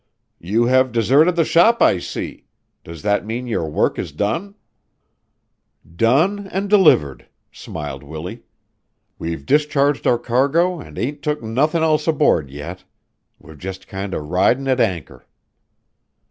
"You have deserted the shop, I see. Does that mean your work is done?" "Done an' delivered," smiled Willie. "We've discharged our cargo an' ain't took nothin' else aboard yet. We're just kinder ridin' at anchor."